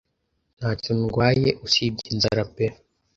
Nta cyo ndwaye usibye inzara pe